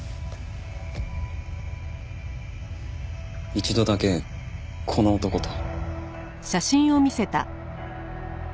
一度だけこの男と。